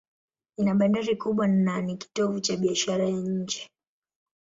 Ina bandari kubwa na ni kitovu cha biashara ya nje.